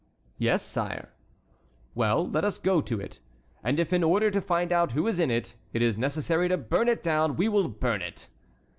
"Yes, sire." "Well, let us go to it. And if in order to find out who is in it, it is necessary to burn it down, we will burn it."